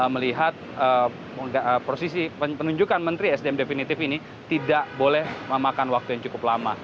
melihat posisi penunjukan menteri sdm definitif ini tidak boleh memakan waktu yang cukup lama